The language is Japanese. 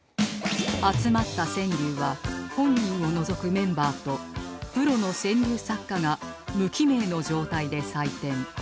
集まった川柳は本人を除くメンバーとプロの川柳作家が無記名の状態で採点